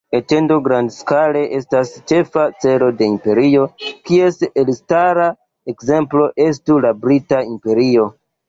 Etendo grandskale estas ĉefa celo de imperio, kies elstara ekzemplo estus la Brita Imperio.